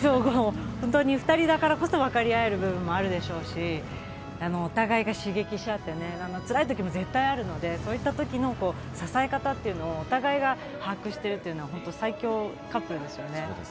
本当に２人だからこそわかり合える部分もあるでしょうし、お互いが刺激しあって、つらい時も絶対あるので、そういった時の支え方っていうのをお互いが把握してるっていうのは最強カップルでしょうね。